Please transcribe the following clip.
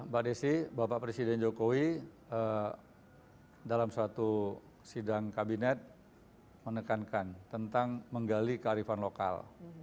mbak desi bapak presiden jokowi dalam suatu sidang kabinet menekankan tentang menggali kearifan lokal